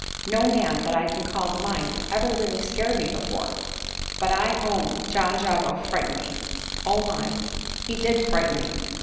No man, that I can call to mind, ever really scared me before. But I own John Jago frightened me; oh my! he did frighten me!